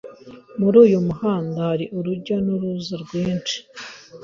Muri uyu muhanda hari urujya n'uruza rwinshi.